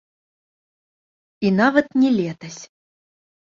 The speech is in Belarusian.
І нават не летась.